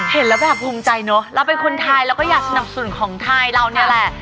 เห็นแล้วแบบภูมิใจเนอะเราเป็นคนไทยเราก็อยากสนับสนุนของไทยเราเนี่ยแหละ